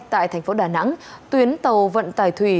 tại thành phố đà nẵng tuyến tàu vận tải thủy